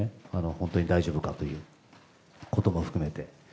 本当に大丈夫か？ということも含めて。